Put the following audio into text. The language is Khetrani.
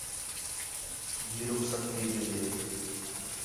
ڈِھی رخصت تھی ڳئی ہے